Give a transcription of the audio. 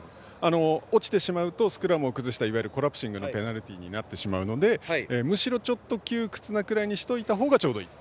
落ちてしまうとスクラムを崩したコラプシングのペナルティになってしまうのでむしろ、窮屈にしておいたほうがちょうどいいと。